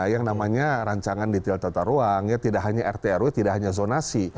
yang namanya rancangan detail tata ruang ya tidak hanya rtrw tidak hanya zonasi